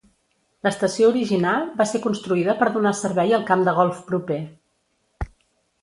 L'estació original va ser construïda per donar servei al camp de golf proper.